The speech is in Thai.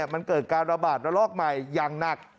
มันเกิดการระบาดระลอกใหม่อย่างหนัก